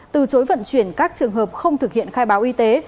từ chối vận chuyển các trường hợp không thực hiện khai báo y tế